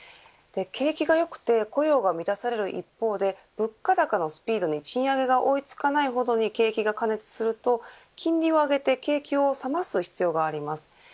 景気が良くて雇用が満たされる一方で物価高のスピードに賃上げが追いつかないほどに景気が過熱すると金利を上げて景気を冷ます必要があります。